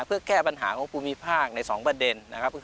เพื่อแก้ปัญหาของภูมิภาคใน๒ประเด็นนะครับ